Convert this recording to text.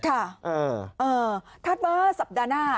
ค่ะถ้ามาสัปดาห์หน้า